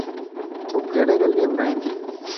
تون ڪھڙي گليم رئين تي؟